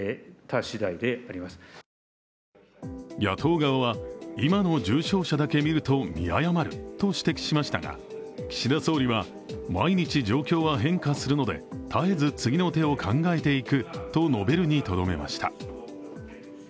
野党側は今の重症者だけ見ると見誤ると指摘しましたが岸田総理は、毎日状況は変化するので、絶えず次の手を考えていくと述べるにとどめました。